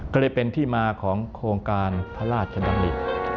ก็เลยเป็นที่มาของโครงการพระราชดำริ